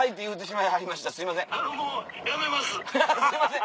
すいません